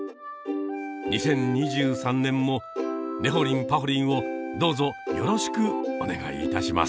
２０２３年も「ねほりんぱほりん」をどうぞよろしくお願いいたします。